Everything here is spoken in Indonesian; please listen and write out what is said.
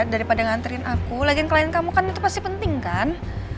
daripada nganterin aku latihan klien kamu kan itu pasti penting kan